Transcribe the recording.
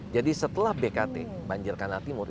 jadi setelah bkt banjir kanal timur